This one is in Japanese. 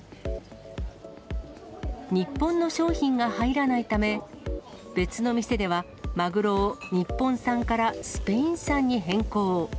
日本の商品が入らないため、別の店では、マグロを日本産からスペイン産に変更。